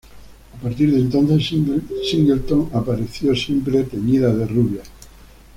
A partir de entonces Singleton apareció siempre teñida de rubia.